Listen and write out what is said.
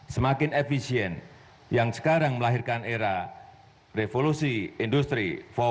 semakin efisien yang sekarang melahirkan era revolusi industri empat